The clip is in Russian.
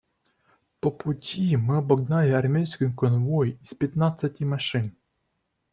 По пути мы обогнали армейский конвой из пятнадцати машин.